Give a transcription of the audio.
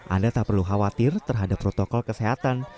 anda tak perlu khawatir terhadap protokol kesehatan